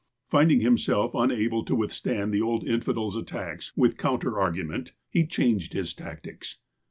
Finding himself unable to withstand the old infidel's attacks with counter argument, he changed his tactics.